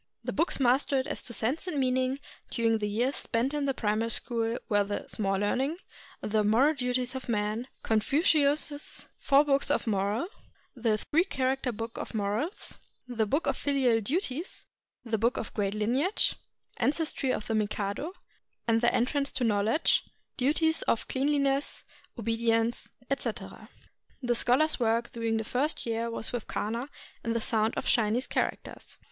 The books mastered as to sense and meaning during the years spent in the Primary School were the ^' Small Learning," the "Moral 443 JAPAN Duties of Man," Confucius's ''Four Books of Morals," the "Three Character Book of Morals," the "Book of Fihal Duties," the "Book of Great Lineage," "Ancestry of the Mikado," and the "Entrance to Knowledge," "Duties of Cleanliness, Obedience," etc. The scholar's work during the first year was with kana and the sound of the Chinese characters.